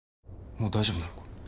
もう大丈夫なのか？